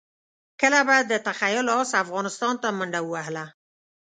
کله به د تخیل اس افغانستان ته منډه ووهله.